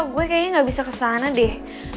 gue kayaknya gak bisa kesana deh